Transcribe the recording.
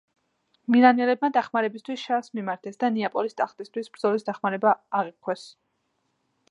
მილანელებმა დახმარებისთვის შარლს მიმართეს და ნეაპოლის ტახტისთვის ბრძოლისას დახმარება აღუთქვეს.